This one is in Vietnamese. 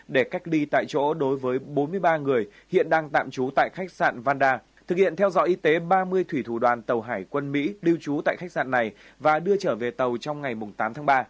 để cách ly tại chỗ đối với bốn mươi ba người hiện đang tạm trú tại khách sạn vanda thực hiện theo dõi y tế ba mươi thủy thủ đoàn tàu hải quân mỹ lưu trú tại khách sạn này và đưa trở về tàu trong ngày tám tháng ba